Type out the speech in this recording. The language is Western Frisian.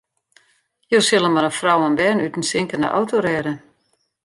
Jo sille mar in frou en bern út in sinkende auto rêde.